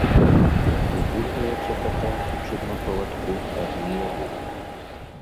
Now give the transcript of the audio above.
Выгульваеце ката, прычым на павадку, адныя вы.